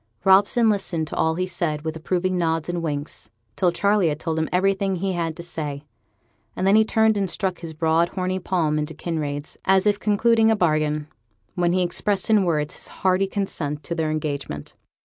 Robson listened to all he said with approving nods and winks, till Charley had told him everything he had to say; and then he turned and struck his broad horny palm into Kinraid's as if concluding a bargain, while he expressed in words his hearty consent to their engagement.